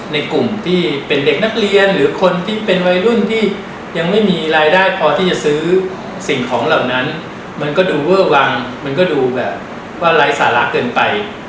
ในกลุ่มที่เป็นเด็กนักเรียนหรือคนที่เป็นวัยรุ่นที่ยังไม่มีรายได้พอที่จะซื้อสิ่งของเหล่านั้นมันก็ดูเวอร์วังมันก็ดูแบบว่าไร้สาระเกินไป